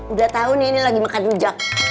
udah tau nih ini lagi makan ujak